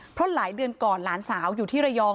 เพราะหลายเดือนก่อนหลานสาวอยู่ที่ระยอง